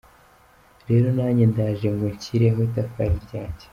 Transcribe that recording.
Rero nanjye ndaje ngo nshireho itafari ryanjye.